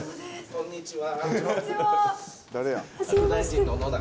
こんにちは。